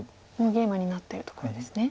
大ゲイマになってるところですね。